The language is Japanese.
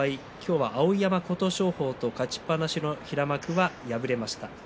碧山、琴勝峰と勝ちっぱなしの平幕は敗れました。